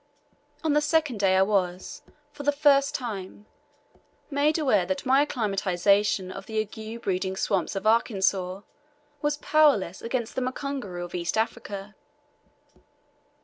On the second day I was, for the first time, made aware that my acclimatization in the ague breeding swamps of Arkansas was powerless against the mukunguru of East Africa.